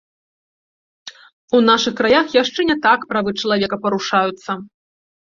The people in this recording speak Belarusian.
У нашых краях яшчэ не так правы чалавека парушаюцца.